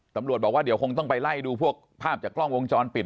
ตำรวจบอกว่าเดี๋ยวคงต้องไปไล่ดูพวกภาพจากกล้องวงจรปิด